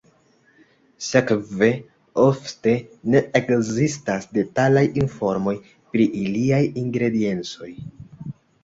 Sekve ofte ne ekzistas detalaj informoj pri iliaj ingrediencoj.